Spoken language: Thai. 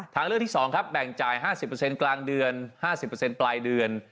ทางเลือกที่๒ครับแบ่งจ่าย๕๐กลางเดือน๕๐ปลายเดือน